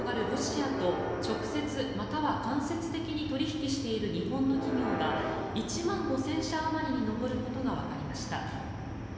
ロシアと直接または間接的に取引している日本の企業が１万５０００社あまりに上ることがわかりました。